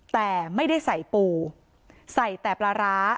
แต่ไม่ได้ใส่ปูใส่แต่ปลาร้า